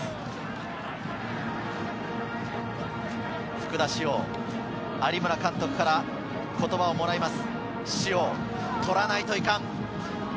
福田師王、有村監督から言葉をもらいます。